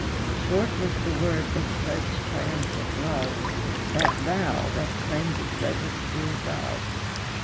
Short was the word that pledged triumphant love; That vow, that claims its registry above.